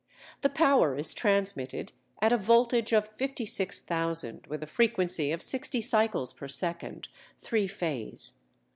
The power is transmitted at a voltage of 56,000 with a frequency of sixty cycles per second (three phase).